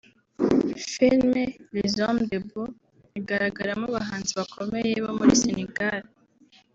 Filime ‘Les Hommes Debout’ igaragaramo abahanzi bakomeye bo muri Senegal